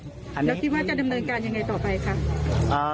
แล้วคิดว่าจะดำเนินการยังไงต่อไปคะ